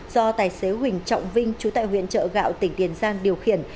do tài xế huỳnh trọng vinh chú tại huyện chợ gạo tỉnh tiền giang điều khiển